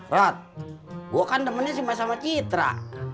rot gue kan demennya sama citra